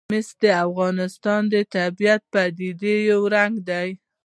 مس د افغانستان د طبیعي پدیدو یو رنګ دی.